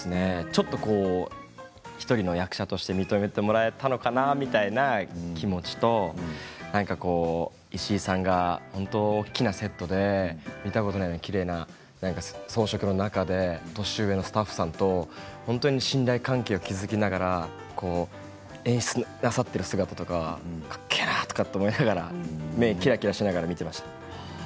ちょっと１人の役者として認めてもらえたのかなみたいな気持ちと石井さんが本当に大きなセットで見たことないようなきれいな装飾の中で年上のスタッフさんと本当に信頼関係を築きながら演出なさっている姿とかかっけーなとか思いながら目をキラキラさせながら見ていました。